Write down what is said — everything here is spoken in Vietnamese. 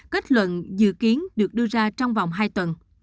kết luận dự kiến được đưa ra trong vòng hai tuần